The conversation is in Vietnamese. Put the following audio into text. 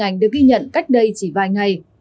hình ảnh được ghi nhận cách đây chỉ vài ngày